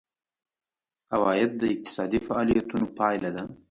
عواید د اقتصادي فعالیتونو پایله ده.